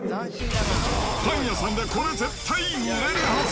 パン屋さんがこれ、絶対売れるはず。